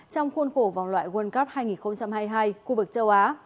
trong khuôn khổ vòng loại world cup hai nghìn hai mươi hai khu vực châu á